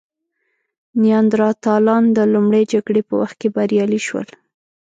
نیاندرتالان د لومړۍ جګړې په وخت کې بریالي شول.